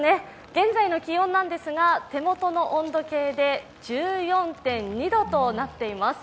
現在の気温なんですが、手元の温度計で１４．２度となっています。